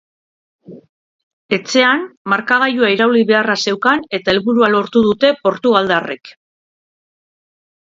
Etxean markagailua irauli beharra zeukan eta helburua lortu dute portugaldarrek.